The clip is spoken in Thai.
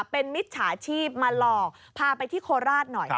เป็นมิจฉาชีพมาหลอกพาไปที่โคราชหน่อย